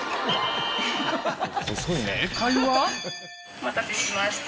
お待たせしました。